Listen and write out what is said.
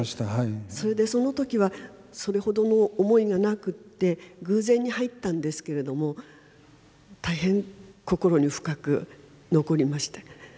それでその時はそれほどの思いがなくって偶然に入ったんですけれども大変心に深く残りました。